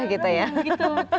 ada alarmnya gitu